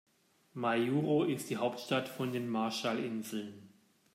Majuro ist die Hauptstadt von den Marshallinseln.